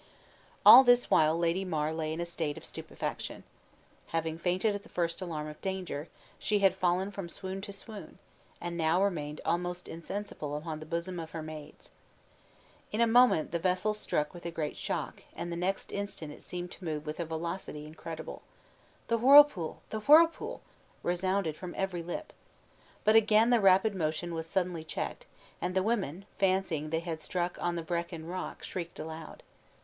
All this while Lady Mar lay in a state of stupefaction. Having fainted at the first alarm of danger, she had fallen from swoon to swoon, and now remained almost insensible upon the bosoms of her maids. In a moment the vessel struck with a great shock, and the next instant it seemed to move with a velocity incredible. "The whirpool! the whirlpool!" resounded from every lip. But again the rapid motion was suddenly checked, and the women, fancying they had struck on the Vrekin Rock, shrieked aloud.